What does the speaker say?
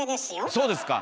そうですか。